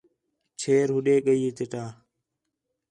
چھیر ہوݙے ڳئی ہِے چٹا